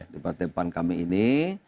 di partai pan kami ini